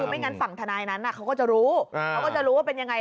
ไม่งั้นฝั่งทนายนั้นเขาก็จะรู้เขาก็จะรู้ว่าเป็นยังไง